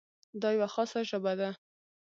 دا یوه خاصه ژبه ده.